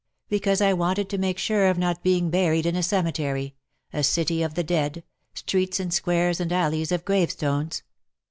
" Because I wanted to make sure of not being buried in a cemetery — a city of the dead — streets and squares and alleys of gravestones.